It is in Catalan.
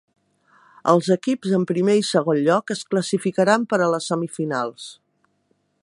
Els equips en primer i segon lloc es classificaran per a les semifinals.